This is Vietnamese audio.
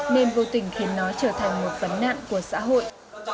nên vô tình khiến nó trở thành một vấn nạn của xã hội